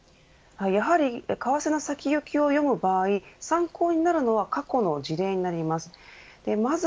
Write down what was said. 為替の先行きを読む場合参考になるのは過去の事例になります。